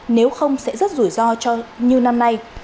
nếu không sẽ rất rủi ro cho như năm nay